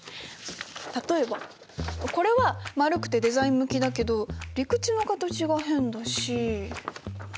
例えばこれは丸くてデザイン向きだけど陸地の形が変だし。